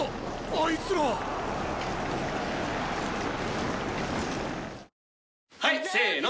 あいつらは。はいせーの。